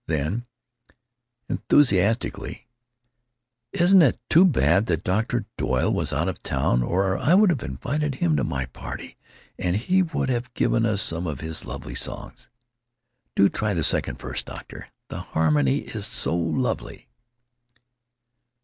Then, enthusiastically: "Isn't it too bad that Dr. Doyle was out of town, or I would have invited him to my party, and he would have given us some of his lovely songs.... Do try the second verse, doctor. The harmony is so lovely."